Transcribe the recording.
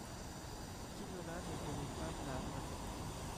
Quinola ne connaît pas Lavradi.